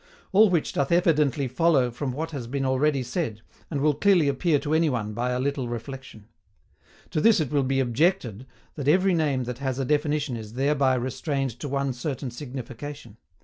All which doth evidently follow from what has been already said, and will clearly appear to anyone by a little reflexion. To this it will be OBJECTED that every name that has a definition is thereby restrained to one certain signification.